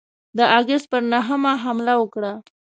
د آګسټ پر نهمه حمله وکړه.